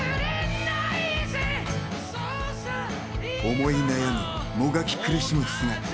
思い悩み、もがき苦しむ姿。